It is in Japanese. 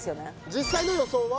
実際の予想は？